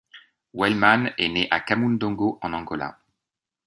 Wellman est né à Kamundongo en Angola.